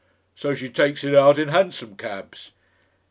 "So she takes it out in hansom cabs."